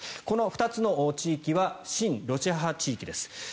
この２つの地域は親ロシア派地域です。